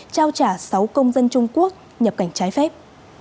trao trả sáu công dân trung quốc nhập cảnh trái phép